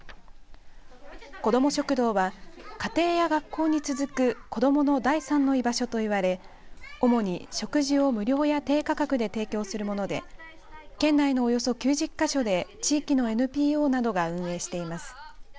子ども食堂は、家庭や学校に続く子どもの第３の居場所といわれ主に食事を無料や低価格で提供するもので県内のおよそ９０か所で地域のＮＰＯなどが運営しています。